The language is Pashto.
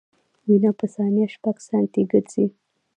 وینه په ثانیه شپږ سانتي ګرځي.